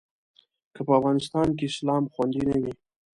که په افغانستان کې اسلام خوندي نه وي.